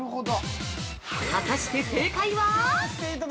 ◆果たして正解は？